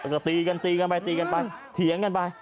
ก็ตีกันไปเถียงกันไป